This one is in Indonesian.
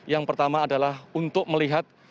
yang pertama adalah untuk melihat